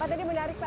pak tadi menarik pak